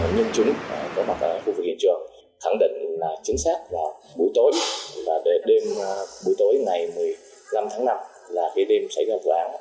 nhân chúng có mặt ở khu vực hiện trường khẳng định là chính xác là buổi tối và đêm buổi tối ngày một mươi năm tháng năm là cái đêm xảy ra vụ án